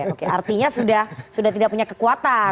oke artinya sudah tidak punya kekuatan